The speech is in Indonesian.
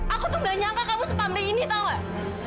aku tuh gak nyangka kamu sepamring ini tau gak